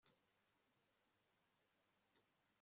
Ntabwo nkwiriye kuba ibi byishimo